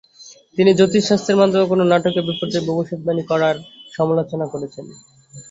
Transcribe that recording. তিনি জ্যোতিষ শাস্ত্রের মাধ্যমে কোন নাটকীয় বিপর্যয়ের ভবিষ্যদ্বাণী করার সমালোচনা করেছেন।